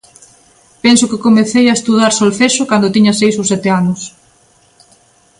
Penso que comecei a estudar solfexo cando tiña seis ou sete anos.